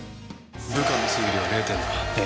「部下の推理は０点だ」